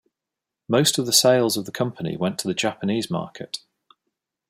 Most of the sales of the company went to the Japanese market.